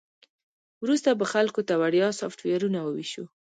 وروسته به خلکو ته وړیا سافټویرونه وویشو